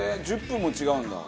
１０分も違うんだ。